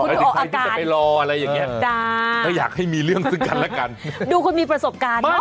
ถึงใครที่จะไปรออะไรอย่างเงี้ยก็อยากให้มีเรื่องซึ่งกันและกันดูคุณมีประสบการณ์เนอะ